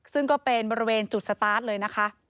ซึ่งก็เป็นบริเวณจุดสตาร์ทเลยนะคะ